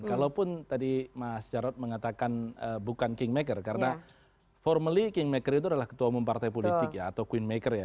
kalaupun tadi mas jarod mengatakan bukan kingmaker karena formally kingmaker itu adalah ketua umum partai politik ya atau queen maker ya